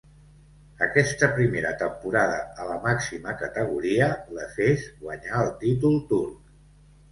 Aquesta primera temporada a la màxima categoria l'Efes guanyà el títol turc.